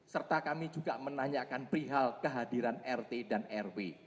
serta kami juga menanyakan perihal kehadiran rt dan rw